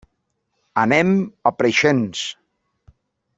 Anem a Preixens.